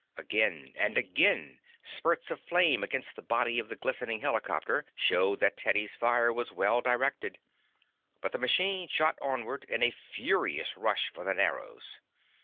Again and again spurts of flame against the body of the glistening helicopter showed that Teddy's fire was well directed, but the machine shot onward in a furious rush for the Narrows.